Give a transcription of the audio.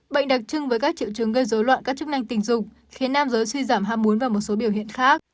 bệnh đặc trưng với các triệu chứng gây dối loạn các chức năng tình dục khiến nam giới suy giảm ham muốn và một số biểu hiện khác